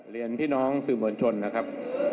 เรียนพี่น้องสื่อมวลชนนะครับ